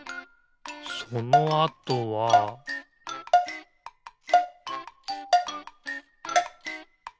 そのあとはピッ！